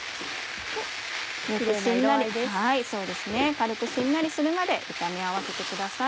軽くしんなりするまで炒め合わせてください。